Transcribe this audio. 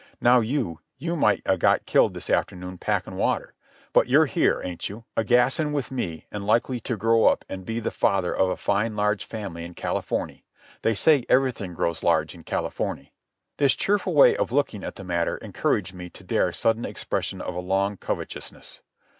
Now you, you might a got killed this afternoon packin' water. But you're here, ain't you, a gassin' with me an' likely to grow up an' be the father of a fine large family in Californy. They say everything grows large in Californy." This cheerful way of looking at the matter encouraged me to dare sudden expression of a long covetousness.